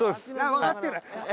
わかってる。